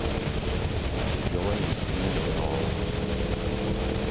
154 THE JOY AND PAIN OF IT ALL.